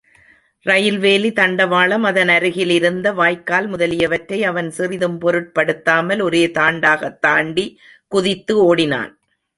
ரயில் வேலி, தண்டவாளம், அதனருகிலிருந்த வாய்க்கால் முதலியவற்றை அவன் சிறிதும் பொருட்படுத்தாமல் ஒரே தாண்டாக தாண்டி குதித்து ஓடினான்.